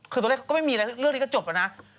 คือตอนเล่นเขาก็ไม่มีเรื่องนี้ก็จบแล้วนะ